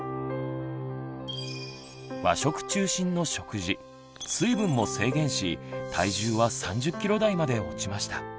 和食中心の食事水分も制限し体重は３０ｋｇ台まで落ちました。